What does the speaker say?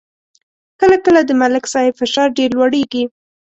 کله کله د ملک صاحب فشار ډېر لوړېږي.